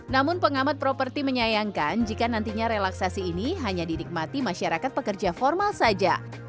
namun pengamat properti menyayangkan jika nantinya relaksasi ini hanya didikmati masyarakat pekerja formal saja